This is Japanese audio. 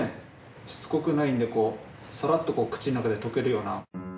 しつこくないんでサラッと口の中で溶けるような。